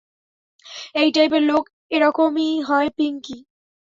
এই টাইপের লোক এরকমই হয় পিঙ্কি।